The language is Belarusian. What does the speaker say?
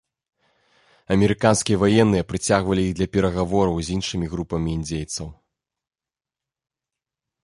Амерыканскія ваенныя прыцягвалі іх для перагавораў з іншымі групамі індзейцаў.